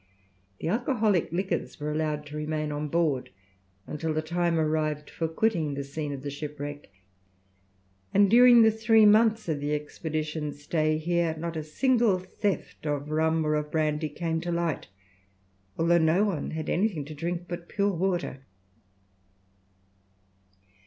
The alcoholic liquors were allowed to remain on board until the time arrived for quitting the scene of the shipwreck, and during the three months of the expedition's stay here, not a single theft of rum or of brandy came to light, although no one had anything to drink but pure water.